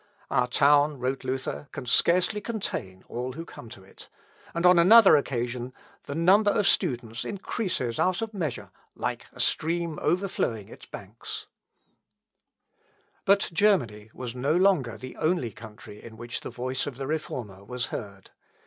"Our town," wrote Luther, "can scarcely contain all who come to it;" and on another occasion, "The number of students increases out of measure, like a stream overflowing its banks." Sicut aqua inundans. (L. Epp. i. p. 278, 279.) But Germany was no longer the only country in which the voice of the Reformer was heard.